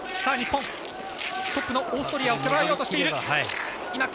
日本、トップのオーストリアをとらえようとしている。